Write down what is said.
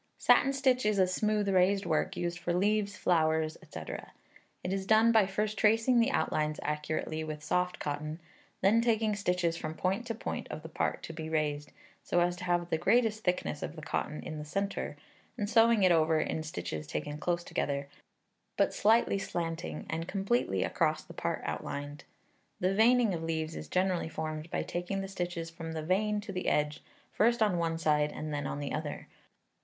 Satin stitch is a smooth raised work, used for leaves, flowers, &c. It is done by first tracing the outlines accurately with soft cotton, then taking stitches from point to point of the part to be raised, so as to have the greatest thickness of cotton in the centre, and sewing it over, in stitches taken close together, but slightly slanting, and completely across the part outlined. The veining of leaves is generally formed by taking the stitches from the vein to the edge, first on one side and then on the other.